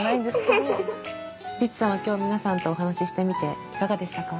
リツさんは今日皆さんとお話ししてみていかがでしたか？